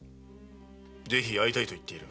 ぜひ会いたいと言っている。